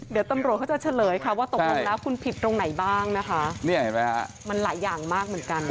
เดี๋ยวตำรวจเขาจะเฉลยค่ะว่าตกลงแล้วคุณผิดตรงไหนบ้างนะคะนี่เห็นไหมฮะมันหลายอย่างมากเหมือนกัน